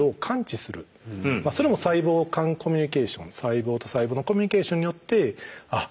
それも細胞間コミュニケーション細胞と細胞のコミュニケーションによってあっ